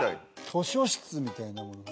図書室みたいなものは？